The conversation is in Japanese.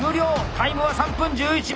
タイムは３分１１秒。